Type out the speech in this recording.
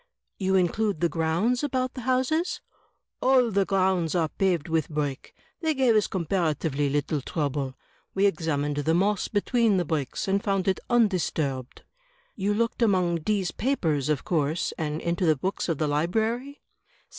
"You include the grotmds about the houses?" "All the grounds are paved with brick. They gave us compara tively little trouble. We examined the moss between the bricks, and found it undisturbed." "You looked among D — 's papers, of course, and into the books of the library?"